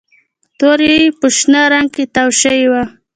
توري په شنه رنګ کې تاو شوي وو